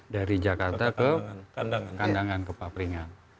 dari jakarta ke kandangan ke papringan